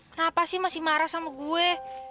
kenapa sih masih marah sama gue